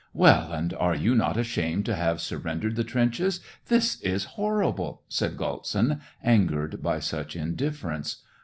Well, and are you not ashamed to have sur rendered the trenches ? This is horrible !" said Galtsin, angered by such indifference.